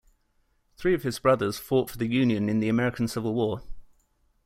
Three of his brothers fought for the Union in the American Civil War.